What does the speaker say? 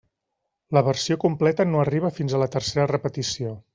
La versió completa no arriba fins a la tercera repetició.